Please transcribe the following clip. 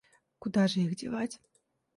Куда же их девать?